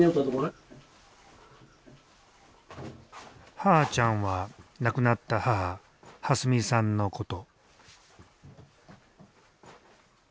「はーちゃん」は亡くなった母「はすみ」さんのこと。